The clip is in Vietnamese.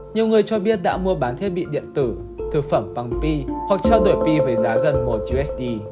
nhiều người cho biết đã mua bán thiết bị điện tử thực phẩm bằng p hoặc trao đổi p với giá gần một usd